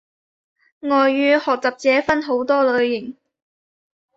外語學習者分好多類型